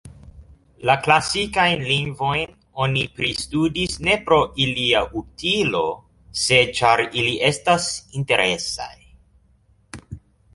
La klasikajn lingvojn oni pristudas ne pro ilia utilo, sed ĉar ili estas interesaj.